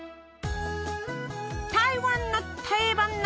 台湾の定番夏